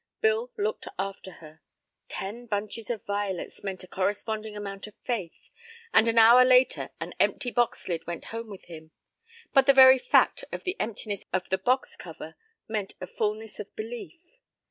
Bill looked after her. Ten bunches of violets meant a corresponding amount of faith, and an hour later an empty box lid went home with him. But the very fact of the emptiness of the box cover meant a fullness of belief.